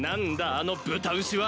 あの豚牛は。